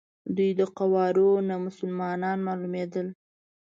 دوی د قوارو نه مسلمانان معلومېدل.